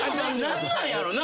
何なんやろな！？